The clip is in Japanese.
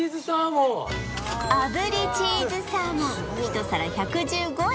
あぶりチーズサーモン一皿１１５円